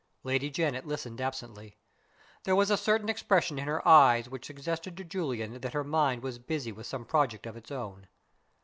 Lady Janet listened absently. There was a certain expression in her eyes which suggested to Julian that her mind was busy with some project of its own.